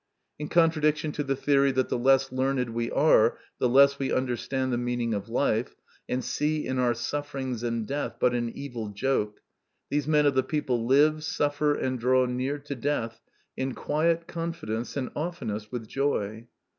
In contradiction to the theory that the less learned we are the less we understand the meaning of life, and see in our sufferings and death but an evil joke, these men of the people live, suffer, and draw near to death, in quiet confidence and oftenest with joy.